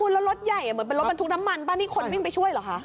แล้วรถใหญ่เหมือนรถบรรทุกน้ำมันคนวิ่งไปช่วยหรือคะ